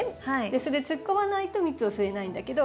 それ突っ込まないと蜜を吸えないんだけど。